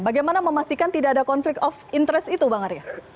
bagaimana memastikan tidak ada konflik of interest itu bang arya